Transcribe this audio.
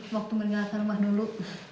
waktu meninggalkan rumah dulu